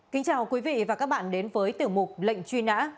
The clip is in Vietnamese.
kính chào quý vị và các bạn đến với tiểu mục lệnh truy nã